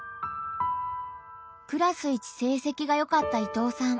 クラス一成績がよかった伊藤さん。